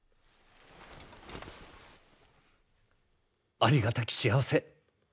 ありがたき幸せ。